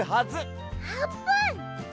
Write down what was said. あーぷん！